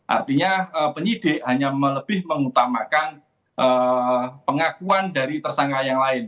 artinya penyidik hanya lebih mengutamakan pengakuan dari tersangka yang lain